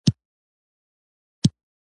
په لیدلو سره انسان له خطرو ځان ساتي